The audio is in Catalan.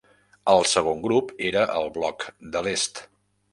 El segon grup era el Bloc de l'Est.